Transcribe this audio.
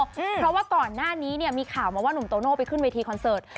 เพราะว่าก่อนหน้านี้เนี่ยมีข่าวมาว่าหนุ่มโตโน่ไปขึ้นเวทีคอนเสิร์ต